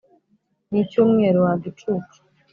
nicyumweru, wa gicucu!